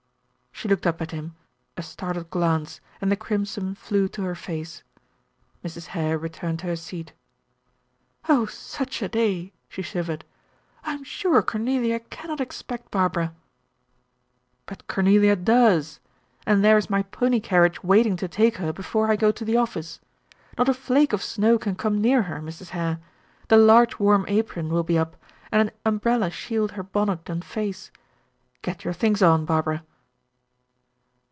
She looked up at him, a startled glance, and the crimson flew to her face. Mrs. Hare returned to her seat. "Oh, such a day!" she shivered. "I am sure Cornelia cannot expect Barbara." "But Cornelia does. And there is my pony carriage waiting to take her before I go to the office. Not a flake of snow can come near her, Mrs. Hare. The large warm apron will be up, and an umbrella shield her bonnet and face. Get your things on, Barbara."